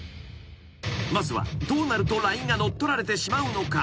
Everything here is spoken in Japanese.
［まずはどうなるとＬＩＮＥが乗っ取られてしまうのか？］